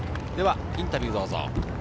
インタビュー、どうぞ。